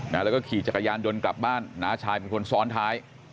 แล้วก็ขี่จักรยานยนต์กลับบ้านน้าชายเป็นคนซ้อนท้าย